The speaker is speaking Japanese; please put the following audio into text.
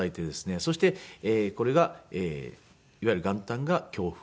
そしてこれがいわゆる元旦が京風。